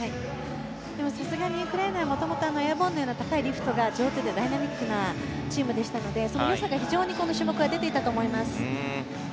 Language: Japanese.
でも、さすがにウクライナはもともとエアボーンのような高いリフトが上手でダイナミックなチームでしたのでその良さが非常に、この種目は出ていたと思います。